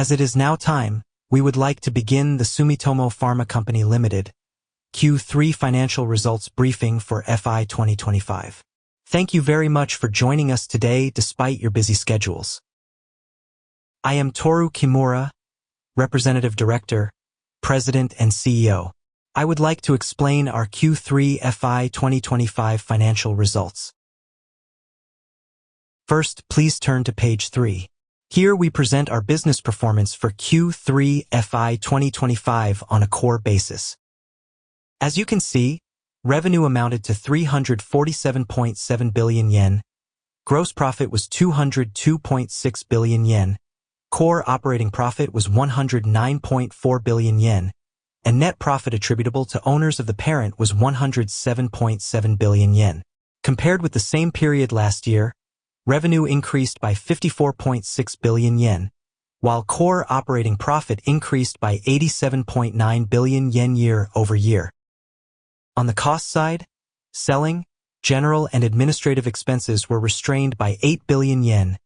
As it is now time, we would like to begin the Sumitomo Pharma Co., Ltd. Q3 financial results briefing for FY2025. Thank you very much for joining us today despite your busy schedules. I am Toru Kimura, Representative Director, President, and CEO. I would like to explain our Q3 FY2025 financial results. First, please turn to page 3. Here we present our business performance for Q3 FY2025 on a core basis. As you can see, revenue amounted to 347.7 billion yen, gross profit was 202.6 billion yen, core operating profit was 109.4 billion yen, and net profit attributable to owners of the parent was 107.7 billion yen. Compared with the same period last year, revenue increased by 54.6 billion yen, while core operating profit increased by 87.9 billion yen year-over-year. On the cost side, selling, general, and administrative expenses were restrained by 8 billion yen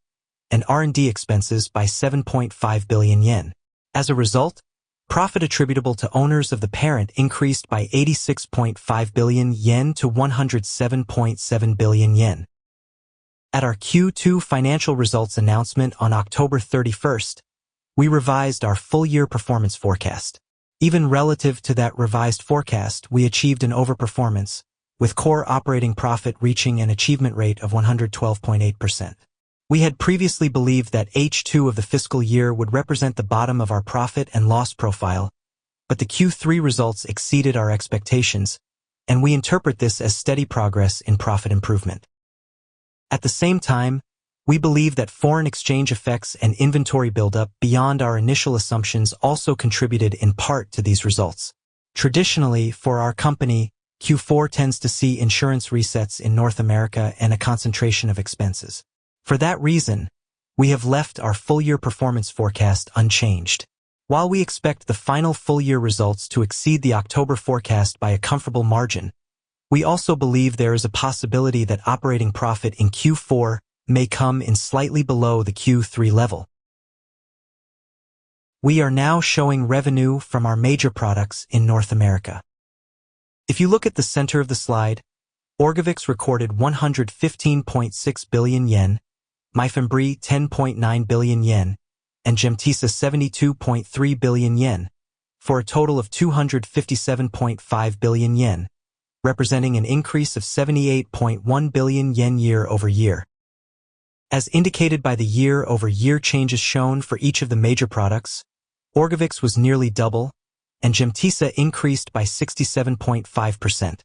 and R&D expenses by 7.5 billion yen. As a result, profit attributable to owners of the parent increased by 86.5 billion yen to 107.7 billion yen. At our Q2 financial results announcement on October thirty-first, we revised our full-year performance forecast. Even relative to that revised forecast, we achieved an overperformance, with core operating profit reaching an achievement rate of 112.8%. We had previously believed that H2 of the fiscal year would represent the bottom of our profit and loss profile, but the Q3 results exceeded our expectations, and we interpret this as steady progress in profit improvement. At the same time, we believe that foreign exchange effects and inventory buildup beyond our initial assumptions also contributed in part to these results. Traditionally, for our company, Q4 tends to see insurance resets in North America and a concentration of expenses. For that reason, we have left our full-year performance forecast unchanged. While we expect the final full-year results to exceed the October forecast by a comfortable margin, we also believe there is a possibility that operating profit in Q4 may come in slightly below the Q3 level. We are now showing revenue from our major products in North America. If you look at the center of the slide, Orgovyx recorded 115.6 billion yen, Myfembree, 10.9 billion yen, and Gemtesa, 72.3 billion yen, for a total of 257.5 billion yen, representing an increase of 78.1 billion yen year over year. As indicated by the year-over-year changes shown for each of the major products, Orgovyx was nearly double, and Gemtesa increased by 67.5%,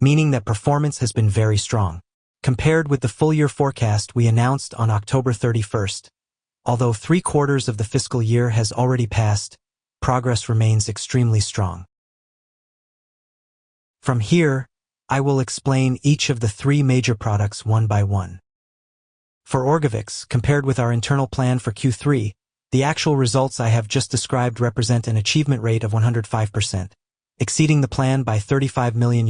meaning that performance has been very strong. Compared with the full-year forecast we announced on October thirty-first, although three quarters of the fiscal year has already passed, progress remains extremely strong. From here, I will explain each of the three major products one by one. For Orgovyx, compared with our internal plan for Q3, the actual results I have just described represent an achievement rate of 105%, exceeding the plan by $35 million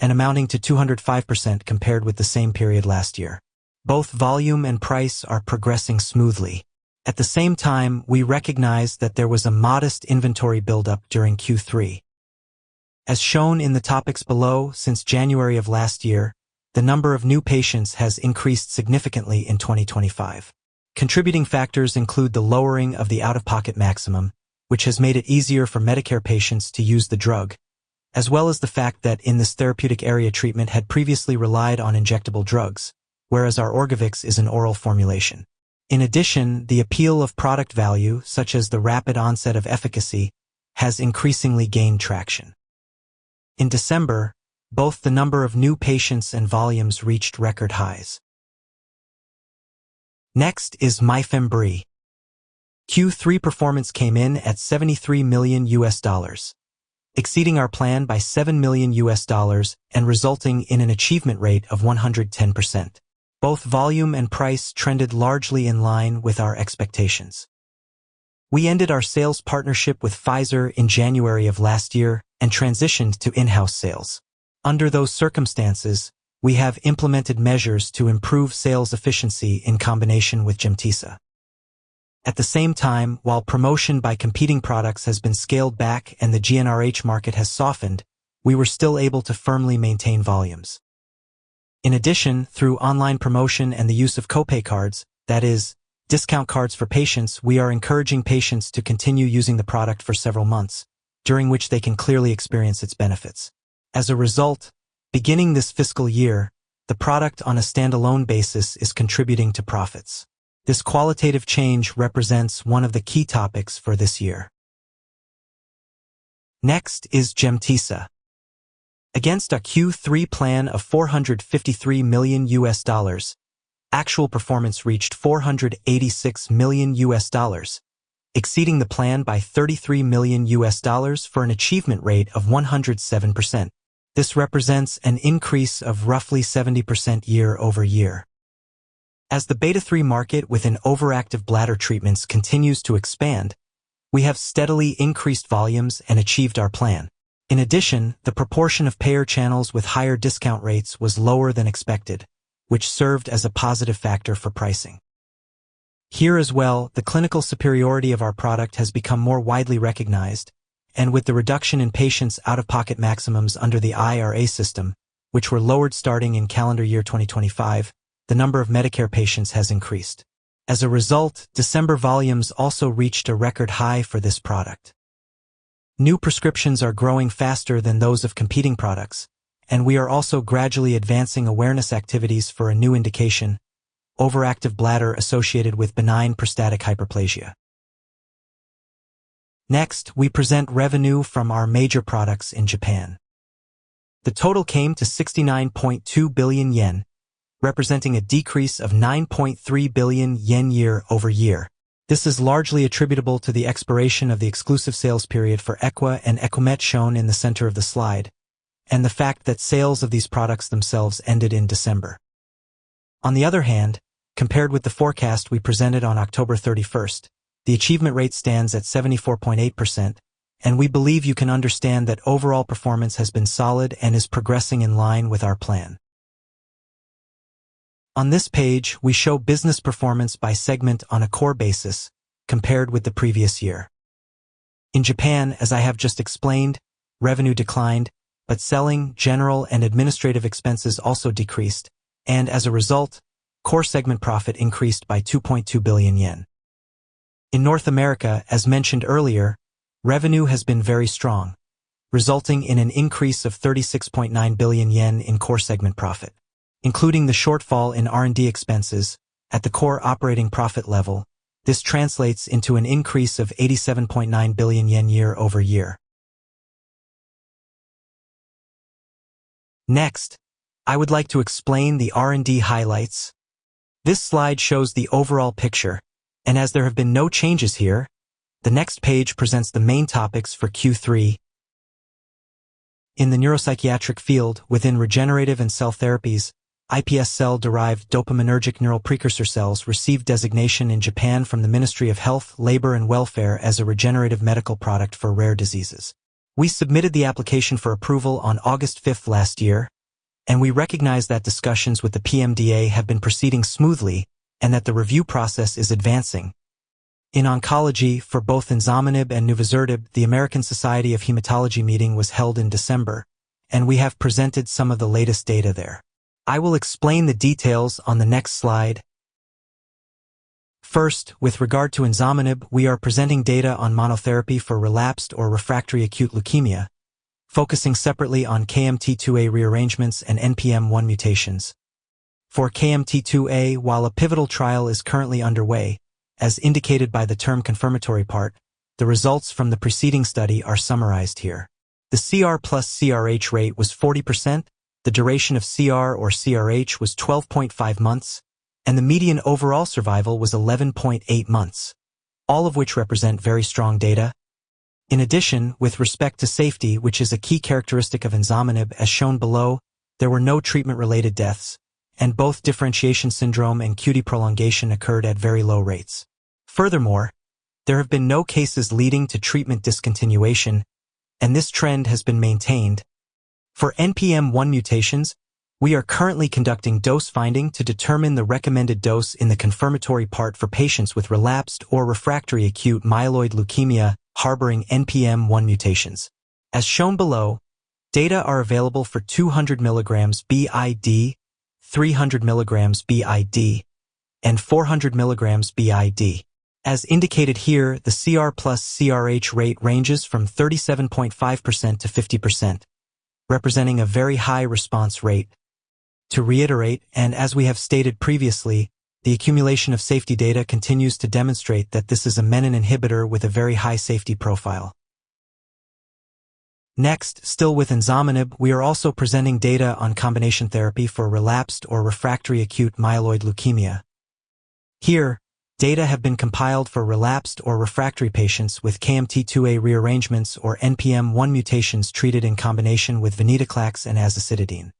and amounting to 205% compared with the same period last year. Both volume and price are progressing smoothly. At the same time, we recognize that there was a modest inventory buildup during Q3. As shown in the topics below, since January of last year, the number of new patients has increased significantly in 2025. Contributing factors include the lowering of the out-of-pocket maximum, which has made it easier for Medicare patients to use the drug, as well as the fact that in this therapeutic area, treatment had previously relied on injectable drugs, whereas our Orgovyx is an oral formulation. In addition, the appeal of product value, such as the rapid onset of efficacy, has increasingly gained traction. In December, both the number of new patients and volumes reached record highs. Next is Myfembree. Q3 performance came in at $73 million, exceeding our plan by $7 million and resulting in an achievement rate of 110%. Both volume and price trended largely in line with our expectations. We ended our sales partnership with Pfizer in January of last year and transitioned to in-house sales. Under those circumstances, we have implemented measures to improve sales efficiency in combination with Gemtesa. At the same time, while promotion by competing products has been scaled back and the GnRH market has softened, we were still able to firmly maintain volumes. In addition, through online promotion and the use of co-pay cards, that is, discount cards for patients, we are encouraging patients to continue using the product for several months, during which they can clearly experience its benefits. As a result, beginning this fiscal year, the product on a standalone basis is contributing to profits. This qualitative change represents one of the key topics for this year. Next is Gemtesa. Against a Q3 plan of $453 million, actual performance reached $486 million, exceeding the plan by $33 million for an achievement rate of 107%. This represents an increase of roughly 70% year-over-year. As the beta-3 market within overactive bladder treatments continues to expand.... We have steadily increased volumes and achieved our plan. In addition, the proportion of payer channels with higher discount rates was lower than expected, which served as a positive factor for pricing. Here as well, the clinical superiority of our product has become more widely recognized, and with the reduction in patients' out-of-pocket maximums under the IRA system, which were lowered starting in calendar year 2025, the number of Medicare patients has increased. As a result, December volumes also reached a record high for this product. New prescriptions are growing faster than those of competing products, and we are also gradually advancing awareness activities for a new indication: overactive bladder associated with benign prostatic hyperplasia. Next, we present revenue from our major products in Japan. The total came to 69.2 billion yen, representing a decrease of 9.3 billion yen year-over-year. This is largely attributable to the expiration of the exclusive sales period for Equa and Equamet shown in the center of the slide, and the fact that sales of these products themselves ended in December. On the other hand, compared with the forecast we presented on October 31, the achievement rate stands at 74.8%, and we believe you can understand that overall performance has been solid and is progressing in line with our plan. On this page, we show business performance by segment on a core basis compared with the previous year. In Japan, as I have just explained, revenue declined, but selling, general, and administrative expenses also decreased, and as a result, core segment profit increased by 2.2 billion yen. In North America, as mentioned earlier, revenue has been very strong, resulting in an increase of 36.9 billion yen in core segment profit. Including the shortfall in R&D expenses at the core operating profit level, this translates into an increase of 87.9 billion yen year-over-year. Next, I would like to explain the R&D highlights. This slide shows the overall picture, and as there have been no changes here, the next page presents the main topics for Q3. In the neuropsychiatric field, within regenerative and cell therapies, iPS cell-derived dopaminergic neural precursor cells received designation in Japan from the Ministry of Health, Labour and Welfare as a regenerative medical product for rare diseases. We submitted the application for approval on August 5 last year, and we recognize that discussions with the PMDA have been proceeding smoothly and that the review process is advancing. In oncology, for both DSP-5336 and TP-3654, the American Society of Hematology meeting was held in December, and we have presented some of the latest data there. I will explain the details on the next slide. First, with regard to DSP-5336, we are presenting data on monotherapy for relapsed or refractory acute leukemia, focusing separately on KMT2A rearrangements and NPM1 mutations. For KMT2A, while a pivotal trial is currently underway, as indicated by the term confirmatory part, the results from the preceding study are summarized here. The CR plus CRh rate was 40%, the duration of CR or CRh was 12.5 months, and the median overall survival was 11.8 months, all of which represent very strong data. In addition, with respect to safety, which is a key characteristic of DSP-5336, as shown below, there were no treatment-related deaths, and both differentiation syndrome and QT prolongation occurred at very low rates. Furthermore, there have been no cases leading to treatment discontinuation, and this trend has been maintained. For NPM1 mutations, we are currently conducting dose finding to determine the recommended dose in the confirmatory part for patients with relapsed or refractory acute myeloid leukemia harboring NPM1 mutations. As shown below, data are available for 200 milligrams BID, 300 milligrams BID, and 400 milligrams BID. As indicated here, the CR plus CRh rate ranges from 37.5%-50%, representing a very high response rate. To reiterate, and as we have stated previously, the accumulation of safety data continues to demonstrate that this is a menin inhibitor with a very high safety profile. Next, still with DSP-5336, we are also presenting data on combination therapy for relapsed or refractory acute myeloid leukemia. Here, data have been compiled for relapsed or refractory patients with KMT2A rearrangements or NPM1 mutations treated in combination with venetoclax and azacitidine.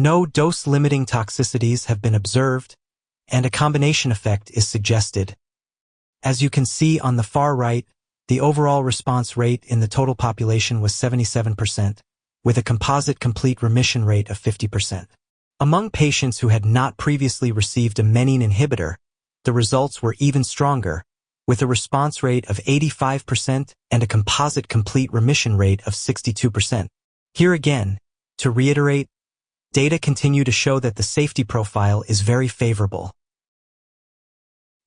No dose-limiting toxicities have been observed, and a combination effect is suggested. As you can see on the far right, the overall response rate in the total population was 77%, with a composite complete remission rate of 50%. Among patients who had not previously received a menin inhibitor, the results were even stronger, with a response rate of 85% and a composite complete remission rate of 62%. Here again, to reiterate, data continue to show that the safety profile is very favorable.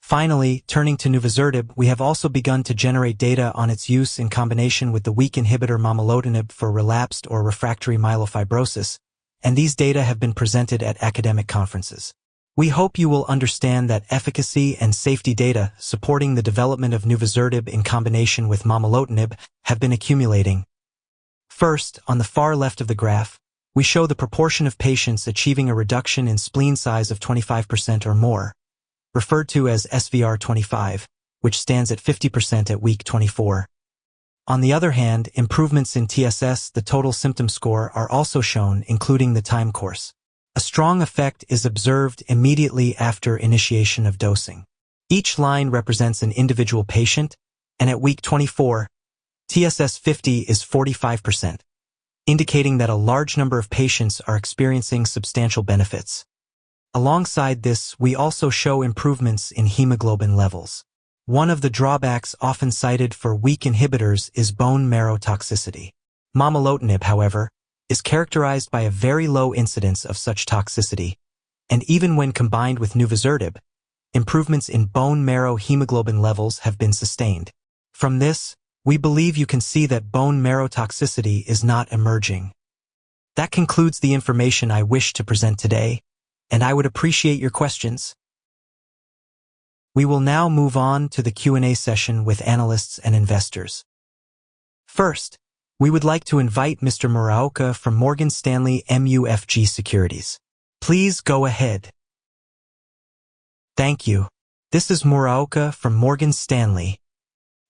Finally, turning to TP-3654, we have also begun to generate data on its use in combination with the JAK1/JAK2/ACVR1 inhibitor momelotinib for relapsed or refractory myelofibrosis, and these data have been presented at academic conferences. We hope you will understand that efficacy and safety data supporting the development of TP-3654 in combination with momelotinib have been accumulating. First, on the far left of the graph, we show the proportion of patients achieving a reduction in spleen size of 25% or more, referred to as SVR25, which stands at 50% at week 24. On the other hand, improvements in TSS, the Total Symptom Score, are also shown, including the time course. A strong effect is observed immediately after initiation of dosing. Each line represents an individual patient, and at week 24, TSS50 is 45%, indicating that a large number of patients are experiencing substantial benefits. Alongside this, we also show improvements in hemoglobin levels. One of the drawbacks often cited for weak inhibitors is bone marrow toxicity. Momelotinib, however, is characterized by a very low incidence of such toxicity, and even when combined with TP-3654, improvements in bone marrow hemoglobin levels have been sustained. From this, we believe you can see that bone marrow toxicity is not emerging. That concludes the information I wish to present today, and I would appreciate your questions. We will now move on to the Q&A session with analysts and investors. First, we would like to invite Mr. Muraoka from Morgan Stanley MUFG Securities. Please go ahead. Thank you. This is Muraoka from Morgan Stanley.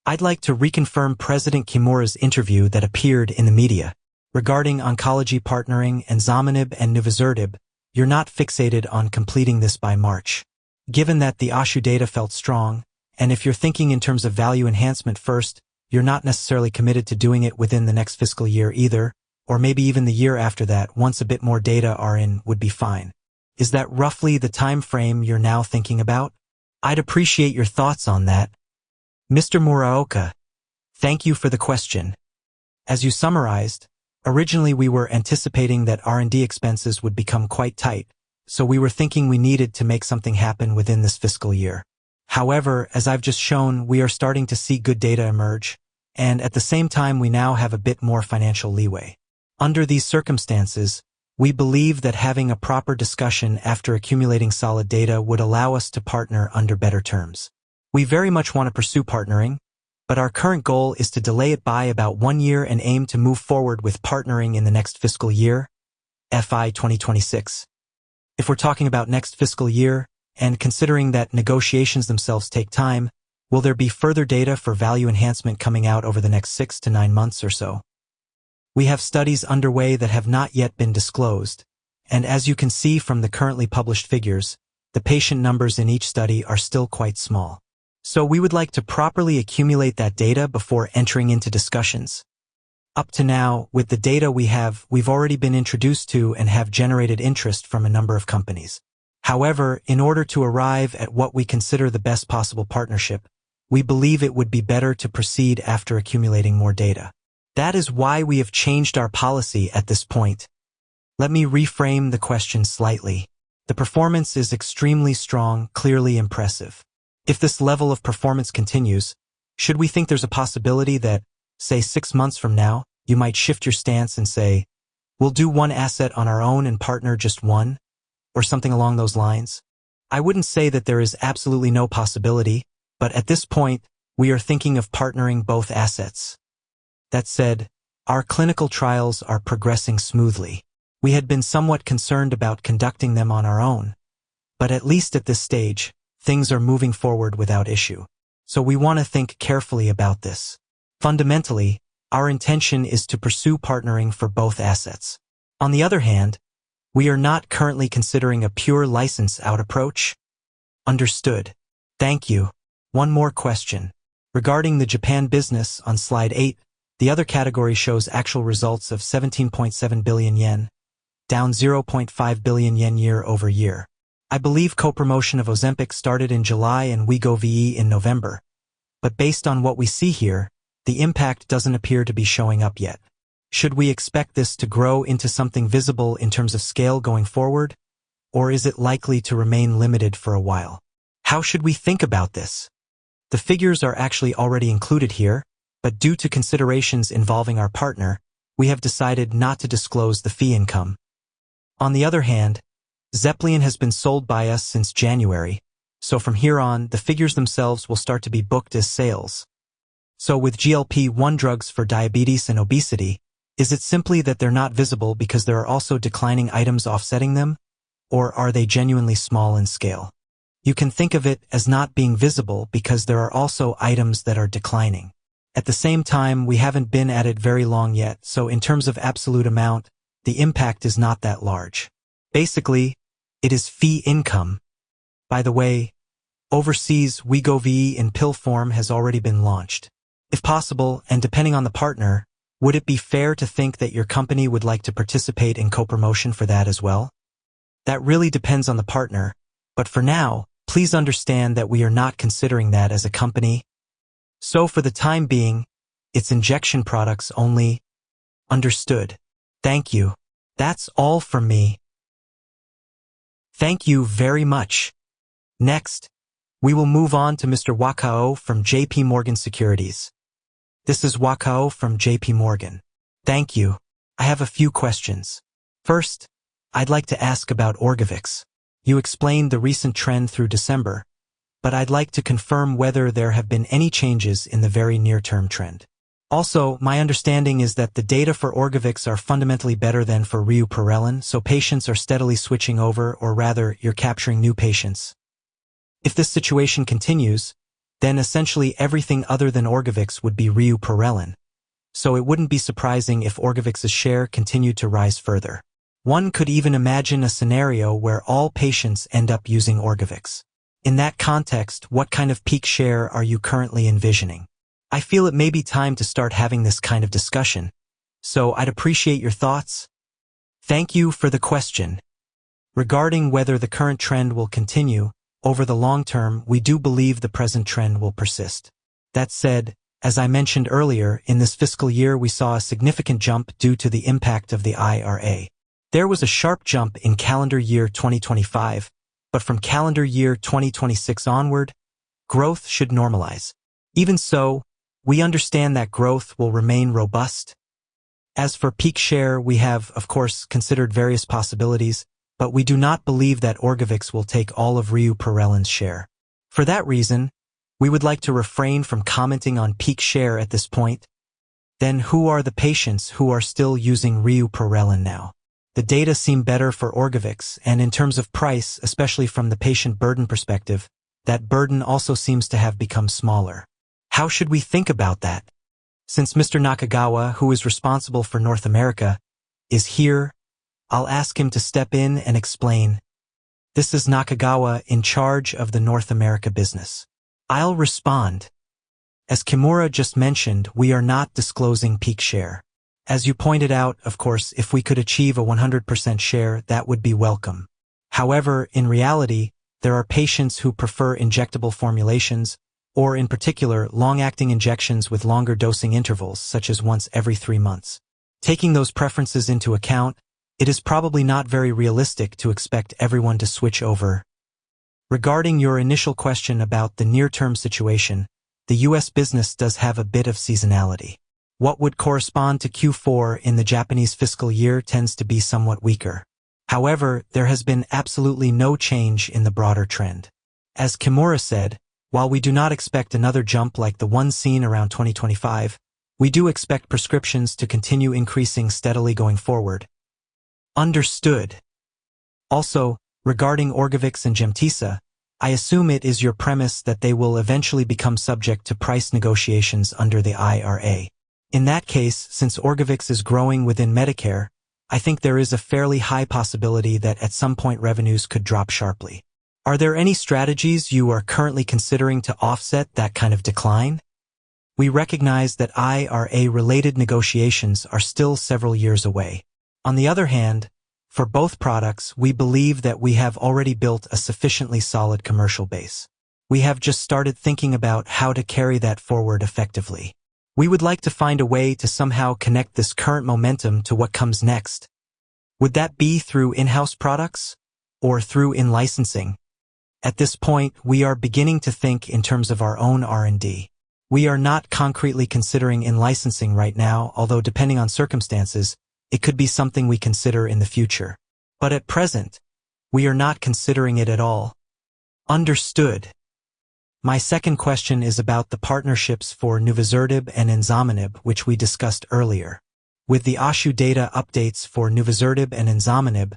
I'd like to reconfirm President Kimura's interview that appeared in the media. Regarding oncology partnering, enzamenib and TP-3654, you're not fixated on completing this by March. Given that the oncology data felt strong, and if you're thinking in terms of value enhancement first, you're not necessarily committed to doing it within the next fiscal year either, or maybe even the year after that, once a bit more data are in, would be fine. Is that roughly the time frame you're now thinking about? I'd appreciate your thoughts on that. Mr. Muraoka, thank you for the question. As you summarized, originally, we were anticipating that R&D expenses would become quite tight, so we were thinking we needed to make something happen within this fiscal year. However, as I've just shown, we are starting to see good data emerge, and at the same time, we now have a bit more financial leeway. Under these circumstances, we believe that having a proper discussion after accumulating solid data would allow us to partner under better terms. We very much want to pursue partnering, but our current goal is to delay it by about 1 year and aim to move forward with partnering in the next fiscal year, FY 2026. If we're talking about next fiscal year, and considering that negotiations themselves take time, will there be further data for value enhancement coming out over the next 6-9 months or so? We have studies underway that have not yet been disclosed, and as you can see from the currently published figures, the patient numbers in each study are still quite small. So we would like to properly accumulate that data before entering into discussions. Up to now, with the data we have, we've already been introduced to and have generated interest from a number of companies. However, in order to arrive at what we consider the best possible partnership, we believe it would be better to proceed after accumulating more data. That is why we have changed our policy at this point. Let me reframe the question slightly. The performance is extremely strong, clearly impressive. If this level of performance continues, should we think there's a possibility that, say, six months from now, you might shift your stance and say, "We'll do one asset on our own and partner just one," or something along those lines? I wouldn't say that there is absolutely no possibility, but at this point, we are thinking of partnering both assets. That said, our clinical trials are progressing smoothly. We had been somewhat concerned about conducting them on our own, but at least at this stage, things are moving forward without issue. So we want to think carefully about this. Fundamentally, our intention is to pursue partnering for both assets. On the other hand, we are not currently considering a pure license-out approach. Understood. Thank you. One more question. Regarding the Japan business on slide 8, the other category shows actual results of 17.7 billion yen, down 0.5 billion yen year-over-year. I believe co-promotion of oncology started in July and Wegovy in November, but based on what we see here, the impact doesn't appear to be showing up yet. Should we expect this to grow into something visible in terms of scale going forward, or is it likely to remain limited for a while? How should we think about this? The figures are actually already included here, but due to considerations involving our partner, we have decided not to disclose the fee income. On the other hand, Zepbound has been sold by us since January, so from here on, the figures themselves will start to be booked as sales. So with GLP-1 drugs for diabetes and obesity, is it simply that they're not visible because there are also declining items offsetting them, or are they genuinely small in scale? You can think of it as not being visible because there are also items that are declining. At the same time, we haven't been at it very long yet, so in terms of absolute amount, the impact is not that large. Basically, it is fee income. By the way, overseas, Wegovy in pill form has already been launched. If possible, and depending on the partner, would it be fair to think that your company would like to participate in co-promotion for that as well? That really depends on the partner, but for now, please understand that we are not considering that as a company. So for the time being, it's injection products only. Understood. Thank you. That's all from me. Thank you very much! Next, we will move on to Mr. Wakao from JP Morgan Securities. This is Wakao from JP Morgan. Thank you. I have a few questions. First, I'd like to ask about Orgovyx. You explained the recent trend through December, but I'd like to confirm whether there have been any changes in the very near-term trend. Also, my understanding is that the data for Orgovyx are fundamentally better than for leuprorelin, so patients are steadily switching over, or rather, you're capturing new patients.... If this situation continues, then essentially everything other than Orgovyx would be leuprorelin, so it wouldn't be surprising if Orgovyx's share continued to rise further. One could even imagine a scenario where all patients end up using Orgovyx. In that context, what kind of peak share are you currently envisioning? I feel it may be time to start having this kind of discussion, so I'd appreciate your thoughts. Thank you for the question. Regarding whether the current trend will continue, over the long term, we do believe the present trend will persist. That said, as I mentioned earlier, in this fiscal year, we saw a significant jump due to the impact of the IRA. There was a sharp jump in calendar year 2025, but from calendar year 2026 onward, growth should normalize. Even so, we understand that growth will remain robust. As for peak share, we have, of course, considered various possibilities, but we do not believe that Orgovyx will take all of euprorelin's share. For that reason, we would like to refrain from commenting on peak share at this point. Then who are the patients who are still using leuprorelin now? The data seem better for Orgovyx, and in terms of price, especially from the patient burden perspective, that burden also seems to have become smaller. How should we think about that? Since Mr. Nakagawa, who is responsible for North America, is here, I'll ask him to step in and explain. This is Nakagawa, in charge of the North America business. I'll respond. As Kimura just mentioned, we are not disclosing peak share. As you pointed out, of course, if we could achieve a 100% share, that would be welcome. However, in reality, there are patients who prefer injectable formulations, or in particular, long-acting injections with longer dosing intervals, such as once every three months. Taking those preferences into account, it is probably not very realistic to expect everyone to switch over. Regarding your initial question about the near-term situation, the U.S. business does have a bit of seasonality. What would correspond to Q4 in the Japanese fiscal year tends to be somewhat weaker. However, there has been absolutely no change in the broader trend. As Kimura said, while we do not expect another jump like the one seen around 2025, we do expect prescriptions to continue increasing steadily going forward. Understood. Also, regarding Orgovyx and Gemtesa, I assume it is your premise that they will eventually become subject to price negotiations under the IRA. In that case, since Orgovyx is growing within Medicare, I think there is a fairly high possibility that at some point, revenues could drop sharply. Are there any strategies you are currently considering to offset that kind of decline? We recognize that IRA-related negotiations are still several years away. On the other hand, for both products, we believe that we have already built a sufficiently solid commercial base. We have just started thinking about how to carry that forward effectively. We would like to find a way to somehow connect this current momentum to what comes next. Would that be through in-house products or through in-licensing? At this point, we are beginning to think in terms of our own R&D. We are not concretely considering in-licensing right now, although depending on circumstances, it could be something we consider in the future. But at present, we are not considering it at all. Understood. My second question is about the partnerships for TP-3654 and DSP-5336, which we discussed earlier. With the ASH data updates for TP-3654 and DSP-5336,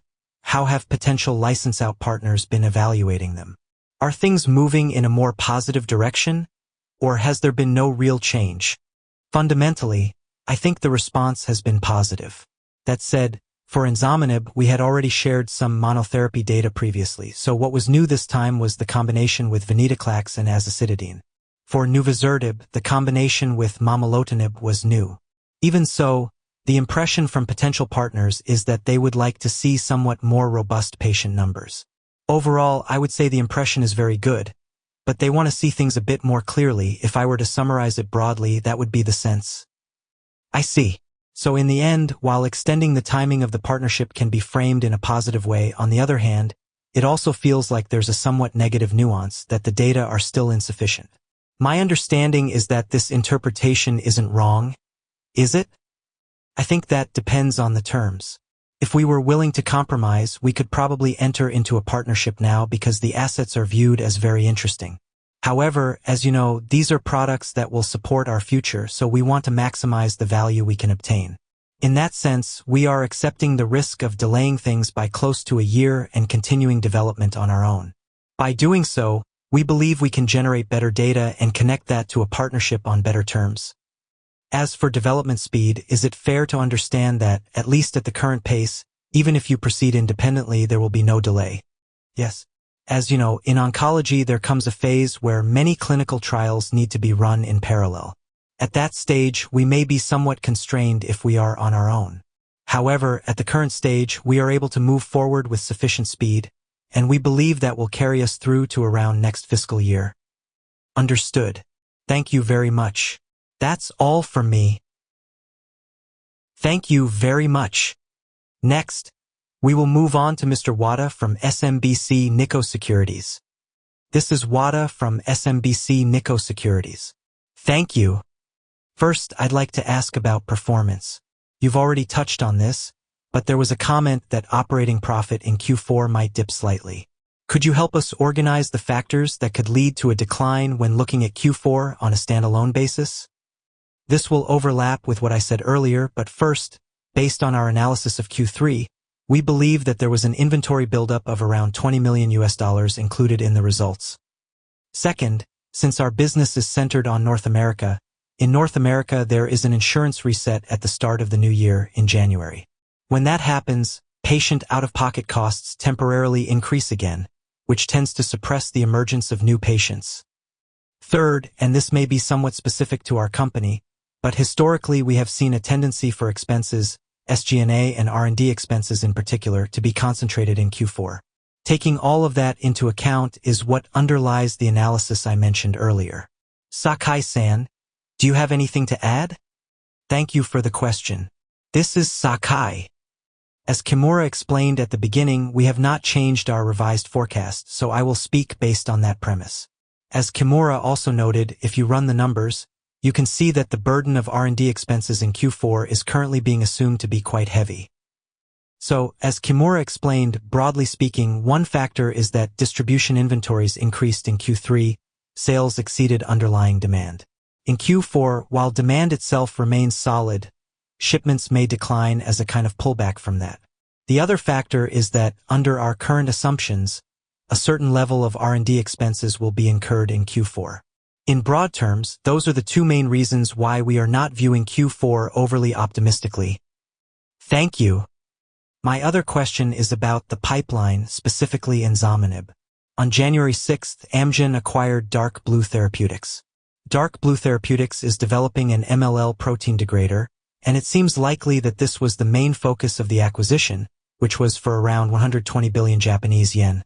how have potential license-out partners been evaluating them? Are things moving in a more positive direction, or has there been no real change? Fundamentally, I think the response has been positive. That said, for DSP-5336, we had already shared some monotherapy data previously, so what was new this time was the combination with venetoclax and azacitidine. For TP-3654, the combination with momelotinib was new. Even so, the impression from potential partners is that they would like to see somewhat more robust patient numbers. Overall, I would say the impression is very good, but they want to see things a bit more clearly. If I were to summarize it broadly, that would be the sense. I see. So in the end, while extending the timing of the partnership can be framed in a positive way, on the other hand, it also feels like there's a somewhat negative nuance, that the data are still insufficient. My understanding is that this interpretation isn't wrong, is it? I think that depends on the terms. If we were willing to compromise, we could probably enter into a partnership now, because the assets are viewed as very interesting. However, as you know, these are products that will support our future, so we want to maximize the value we can obtain. In that sense, we are accepting the risk of delaying things by close to a year and continuing development on our own. By doing so, we believe we can generate better data and connect that to a partnership on better terms. As for development speed, is it fair to understand that at least at the current pace, even if you proceed independently, there will be no delay? Yes. As you know, in oncology, there comes a phase where many clinical trials need to be run in parallel. At that stage, we may be somewhat constrained if we are on our own. However, at the current stage, we are able to move forward with sufficient speed, and we believe that will carry us through to around next fiscal year. Understood. Thank you very much. That's all from me. Thank you very much! Next, we will move on to Mr. Wada from SMBC Nikko Securities. This is Wada from SMBC Nikko Securities. Thank you. First, I'd like to ask about performance. You've already touched on this, but there was a comment that operating profit in Q4 might dip slightly. Could you help us organize the factors that could lead to a decline when looking at Q4 on a standalone basis?... This will overlap with what I said earlier, but first, based on our analysis of Q3, we believe that there was an inventory buildup of around $20 million included in the results. Second, since our business is centered on North America, in North America, there is an insurance reset at the start of the new year in January. When that happens, patient out-of-pocket costs temporarily increase again, which tends to suppress the emergence of new patients. Third, and this may be somewhat specific to our company, but historically, we have seen a tendency for expenses, SG&A and R&D expenses in particular, to be concentrated in Q4. Taking all of that into account is what underlies the analysis I mentioned earlier. Sakai-san, do you have anything to add? Thank you for the question. This is Sakai. As Kimura explained at the beginning, we have not changed our revised forecast, so I will speak based on that premise. As Kimura also noted, if you run the numbers, you can see that the burden of R&D expenses in Q4 is currently being assumed to be quite heavy. So as Kimura explained, broadly speaking, one factor is that distribution inventories increased in Q3, sales exceeded underlying demand. In Q4, while demand itself remains solid, shipments may decline as a kind of pullback from that. The other factor is that under our current assumptions, a certain level of R&D expenses will be incurred in Q4. In broad terms, those are the two main reasons why we are not viewing Q4 overly optimistically. Thank you. My other question is about the pipeline, specifically enzomenib. On January sixth, Amgen acquired Degron Therapeutics. Degron Therapeutics is developing an MLL protein degrader, and it seems likely that this was the main focus of the acquisition, which was for around 120 billion Japanese yen.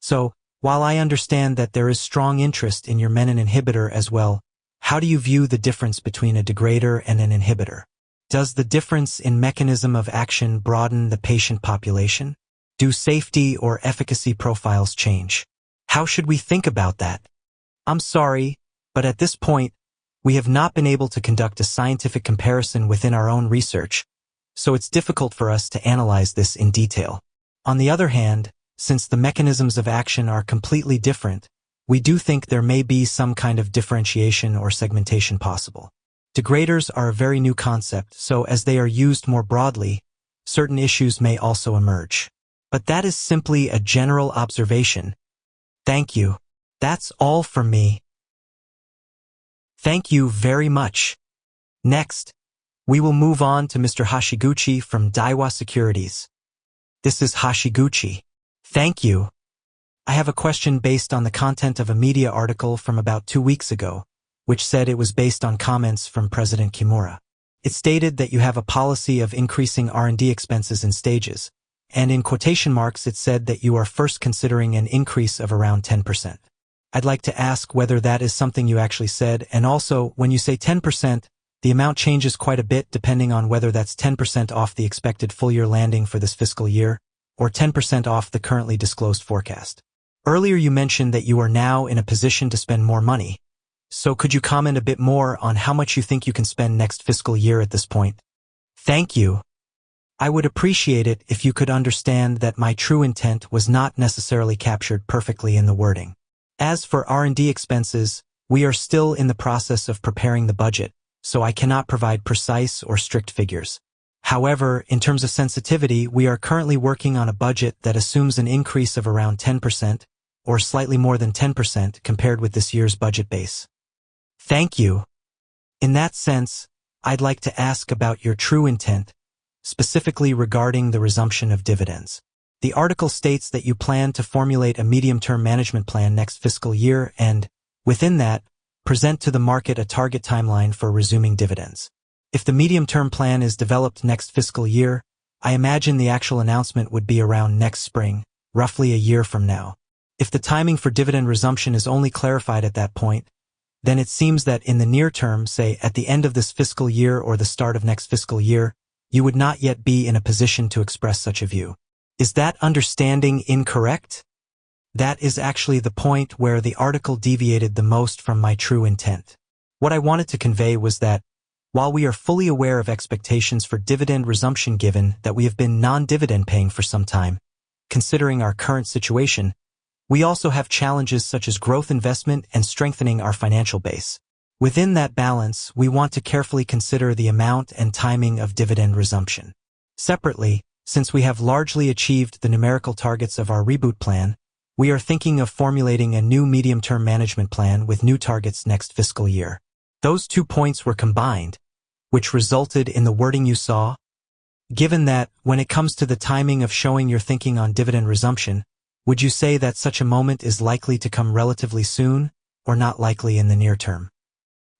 So while I understand that there is strong interest in your menin inhibitor as well, how do you view the difference between a degrader and an inhibitor? Does the difference in mechanism of action broaden the patient population? Do safety or efficacy profiles change? How should we think about that? I'm sorry, but at this point, we have not been able to conduct a scientific comparison within our own research, so it's difficult for us to analyze this in detail. On the other hand, since the mechanisms of action are completely different, we do think there may be some kind of differentiation or segmentation possible. Degraders are a very new concept, so as they are used more broadly, certain issues may also emerge. But that is simply a general observation. Thank you. That's all from me. Thank you very much. Next, we will move on to Mr. Hashiguchi from Daiwa Securities. This is Hashiguchi. Thank you. I have a question based on the content of a media article from about two weeks ago, which said it was based on comments from President Kimura. It stated that you have a policy of increasing R&D expenses in stages, and in quotation marks, it said that you are first considering an increase of around 10%. I'd like to ask whether that is something you actually said, and also, when you say 10%, the amount changes quite a bit, depending on whether that's 10% off the expected full-year landing for this fiscal year or 10% off the currently disclosed forecast. Earlier, you mentioned that you are now in a position to spend more money, so could you comment a bit more on how much you think you can spend next fiscal year at this point? Thank you. I would appreciate it if you could understand that my true intent was not necessarily captured perfectly in the wording. As for R&D expenses, we are still in the process of preparing the budget, so I cannot provide precise or strict figures. However, in terms of sensitivity, we are currently working on a budget that assumes an increase of around 10% or slightly more than 10% compared with this year's budget base. Thank you. In that sense, I'd like to ask about your true intent, specifically regarding the resumption of dividends. The article states that you plan to formulate a medium-term management plan next fiscal year, and within that, present to the market a target timeline for resuming dividends. If the medium-term plan is developed next fiscal year, I imagine the actual announcement would be around next spring, roughly a year from now. If the timing for dividend resumption is only clarified at that point, then it seems that in the near term, say, at the end of this fiscal year or the start of next fiscal year, you would not yet be in a position to express such a view. Is that understanding incorrect? That is actually the point where the article deviated the most from my true intent. What I wanted to convey was that while we are fully aware of expectations for dividend resumption, given that we have been non-dividend-paying for some time, considering our current situation, we also have challenges such as growth, investment, and strengthening our financial base. Within that balance, we want to carefully consider the amount and timing of dividend resumption. Separately, since we have largely achieved the numerical targets of our reboot plan, we are thinking of formulating a new medium-term management plan with new targets next fiscal year. Those two points were combined, which resulted in the wording you saw. Given that, when it comes to the timing of showing your thinking on dividend resumption, would you say that such a moment is likely to come relatively soon or not likely in the near term?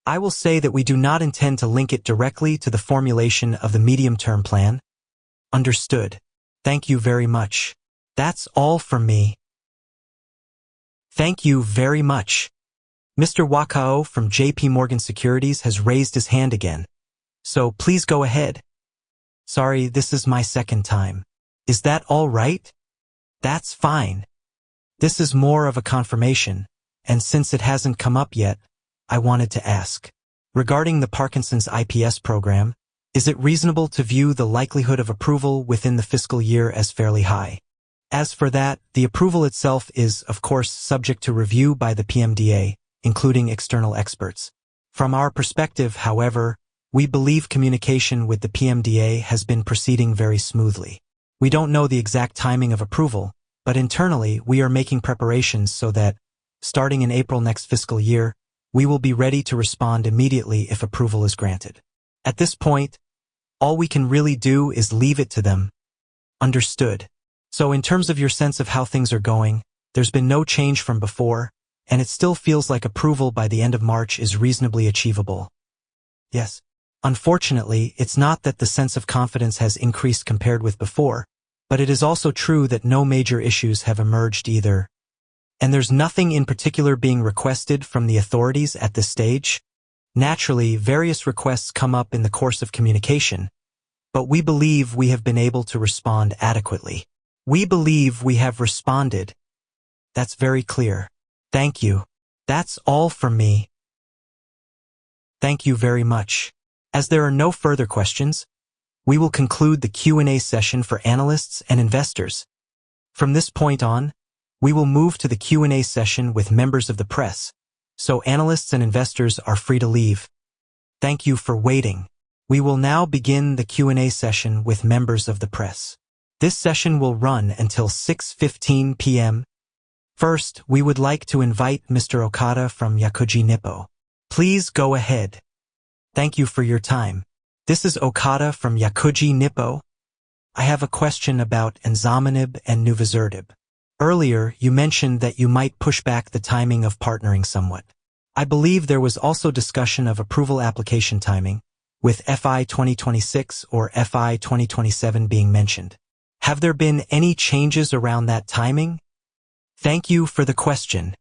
I will say that we do not intend to link it directly to the formulation of the medium-term plan. Understood. Thank you very much. That's all from me. Thank you very much. Mr. Wakao from JP Morgan Securities has raised his hand again, so please go ahead. Sorry, this is my second time. Is that all right? That's fine. This is more of a confirmation, and since it hasn't come up yet, I wanted to ask. Regarding the Parkinson's iPS program, is it reasonable to view the likelihood of approval within the fiscal year as fairly high? As for that, the approval itself is, of course, subject to review by the PMDA, including external experts. From our perspective, however, we believe communication with the PMDA has been proceeding very smoothly. We don't know the exact timing of approval, but internally, we are making preparations so that, starting in April next fiscal year, we will be ready to respond immediately if approval is granted. At this point, all we can really do is leave it to them. Understood. So in terms of your sense of how things are going, there's been no change from before, and it still feels like approval by the end of March is reasonably achievable? Yes. Unfortunately, it's not that the sense of confidence has increased compared with before, but it is also true that no major issues have emerged either. And there's nothing in particular being requested from the authorities at this stage? Naturally, various requests come up in the course of communication, but we believe we have been able to respond adequately. We believe we have responded. That's very clear. Thank you. That's all from me. Thank you very much. As there are no further questions, we will conclude the Q&A session for analysts and investors. From this point on, we will move to the Q&A session with members of the press, so analysts and investors are free to leave. Thank you for waiting. We will now begin the Q&A session with members of the press. This session will run until 6:15 P.M. First, we would like to invite Mr. Okada from Yomiuri Shimbun. Please go ahead. Thank you for your time. This is Okada from Yomiuri Shimbun. I have a question about DSP-5336 and TP-3654. Earlier, you mentioned that you might push back the timing of partnering somewhat. I believe there was also discussion of approval application timing, with FY 2026 or FY 2027 being mentioned. Have there been any changes around that timing? Thank you for the question.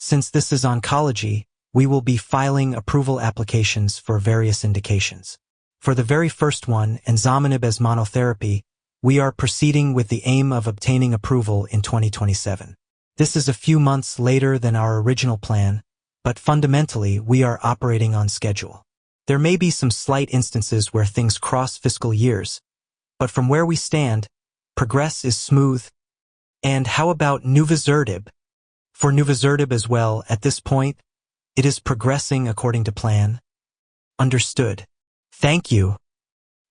Since this is oncology, we will be filing approval applications for various indications. For the very first one, DSP-5336 as monotherapy, we are proceeding with the aim of obtaining approval in 2027. This is a few months later than our original plan, but fundamentally, we are operating on schedule. There may be some slight instances where things cross fiscal years, but from where we stand, progress is smooth. And how about TP-3654? For TP-3654 as well, at this point, it is progressing according to plan. Understood. Thank you.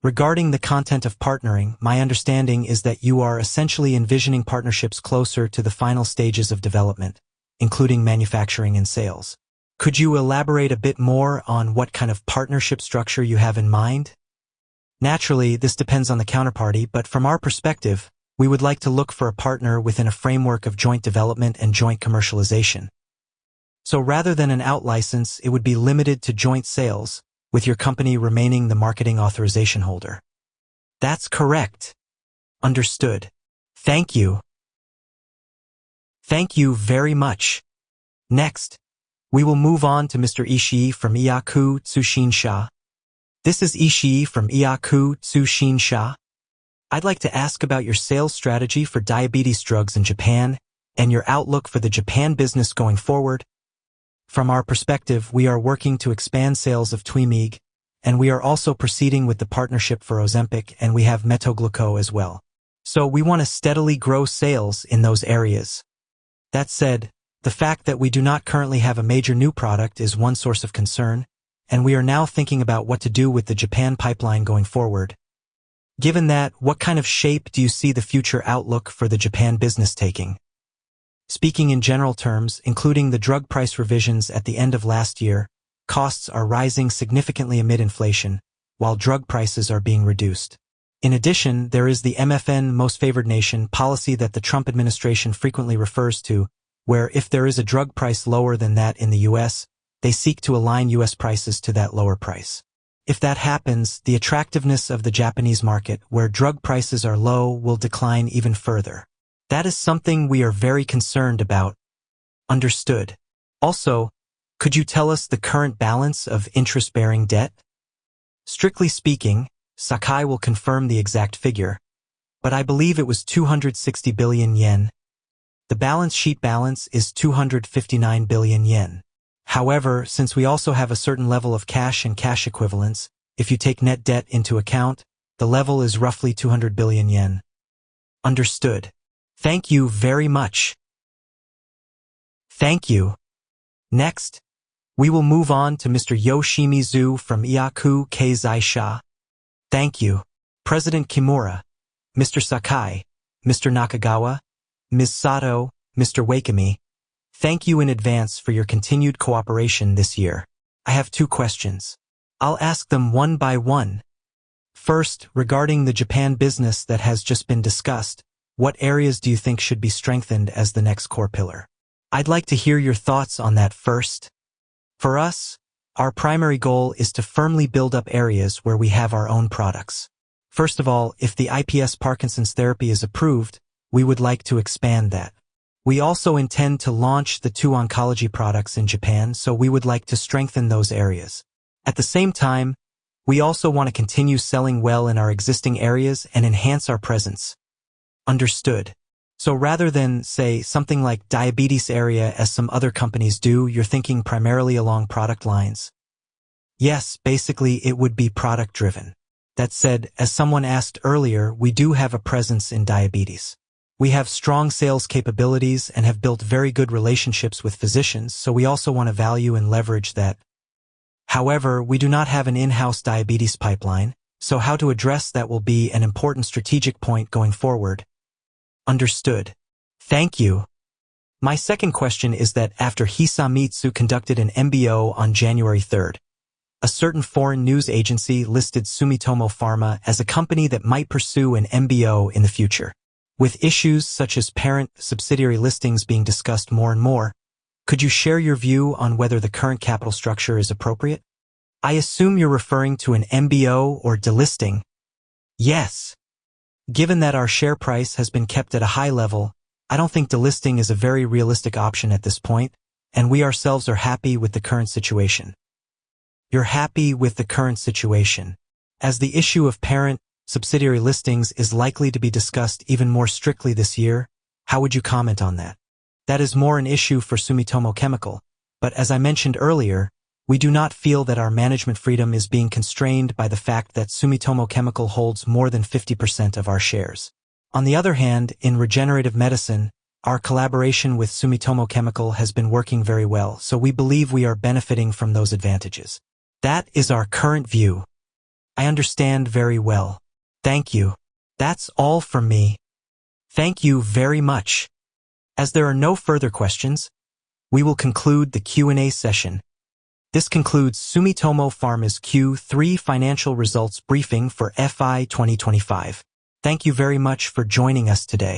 Regarding the content of partnering, my understanding is that you are essentially envisioning partnerships closer to the final stages of development, including manufacturing and sales. Could you elaborate a bit more on what kind of partnership structure you have in mind? Naturally, this depends on the counterparty, but from our perspective, we would like to look for a partner within a framework of joint development and joint commercialization. So rather than an out-license, it would be limited to joint sales, with your company remaining the marketing authorization holder. That's correct. Understood. Thank you. Thank you very much. Next, we will move on to Mr. Ishii from Iyaku Tsuhinsha. This is Ishii from Iyaku Tsuhinsha. I'd like to ask about your sales strategy for diabetes drugs in Japan and your outlook for the Japan business going forward. From our perspective, we are working to expand sales of Twymeeg, and we are also proceeding with the partnership for oncology, and we have Metgluco as well. So we want to steadily grow sales in those areas. That said, the fact that we do not currently have a major new product is one source of concern, and we are now thinking about what to do with the Japan pipeline going forward. Given that, what kind of shape do you see the future outlook for the Japan business taking? Speaking in general terms, including the drug price revisions at the end of last year, costs are rising significantly amid inflation, while drug prices are being reduced. In addition, there is the MFN, Most Favored Nation, policy that the Trump administration frequently refers to, where if there is a drug price lower than that in the U.S., they seek to align U.S. prices to that lower price. If that happens, the attractiveness of the Japanese market, where drug prices are low, will decline even further. That is something we are very concerned about. Understood. Also, could you tell us the current balance of interest-bearing debt? Strictly speaking, Sakai will confirm the exact figure, but I believe it was 260 billion yen. The balance sheet balance is 259 billion yen. However, since we also have a certain level of cash and cash equivalents, if you take net debt into account, the level is roughly 200 billion yen. Understood. Thank you very much. Thank you. Next, we will move on to Mr. Yoshimizu from Iyaku Keizai Sha. Thank you. President Kimura, Mr. Sakai, Mr. Nakagawa, Ms. Sato, Mr. Wakemi, thank you in advance for your continued cooperation this year. I have two questions. I'll ask them one by one. First, regarding the Japan business that has just been discussed, what areas do you think should be strengthened as the next core pillar? I'd like to hear your thoughts on that first. For us, our primary goal is to firmly build up areas where we have our own products. First of all, if the iPS Parkinson's therapy is approved, we would like to expand that. We also intend to launch the two oncology products in Japan, so we would like to strengthen those areas. At the same time, we also want to continue selling well in our existing areas and enhance our presence. Understood. So rather than, say, something like diabetes area, as some other companies do, you're thinking primarily along product lines? Yes, basically, it would be product-driven. That said, as someone asked earlier, we do have a presence in diabetes. We have strong sales capabilities and have built very good relationships with physicians, so we also want to value and leverage that. However, we do not have an in-house diabetes pipeline, so how to address that will be an important strategic point going forward. Understood. Thank you. My second question is that after Hisamitsu conducted an MBO on January third, a certain foreign news agency listed Sumitomo Pharma as a company that might pursue an MBO in the future. With issues such as parent subsidiary listings being discussed more and more, could you share your view on whether the current capital structure is appropriate? I assume you're referring to an MBO or delisting. Yes. Given that our share price has been kept at a high level, I don't think delisting is a very realistic option at this point, and we ourselves are happy with the current situation. You're happy with the current situation. As the issue of parent subsidiary listings is likely to be discussed even more strictly this year, how would you comment on that? That is more an issue for Sumitomo Chemical, but as I mentioned earlier, we do not feel that our management freedom is being constrained by the fact that Sumitomo Chemical holds more than 50% of our shares. On the other hand, in regenerative medicine, our collaboration with Sumitomo Chemical has been working very well, so we believe we are benefiting from those advantages. That is our current view. I understand very well. Thank you. That's all from me. Thank you very much. As there are no further questions, we will conclude the Q&A session. This concludes Sumitomo Pharma's Q3 financial results briefing for FY 2025. Thank you very much for joining us today.